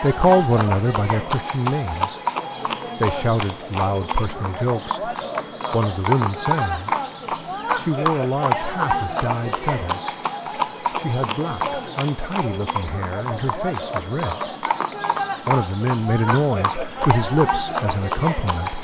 They called one another by their Christian names, they shouted loud personal jokes, one of the women sang. She wore a large hat with dyed feathers. She had black, untidy looking hair, and her face was red. One of the men made a noise with his lips as an accompaniment.